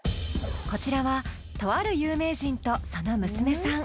こちらはとある有名人とその娘さん